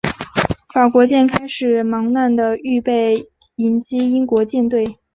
法国舰队开始忙乱地预备迎击英国舰队。